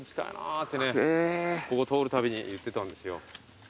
ここ通るたびに言ってたんですよ。